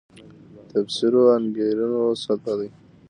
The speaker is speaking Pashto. تفسیرو انګېرنو سطح دی.